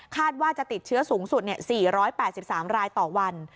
ว่าจะติดเชื้อสูงสุด๔๘๓รายต่อวัน